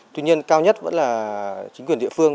tuy nhiên cao nhất vẫn là chính quyền địa phương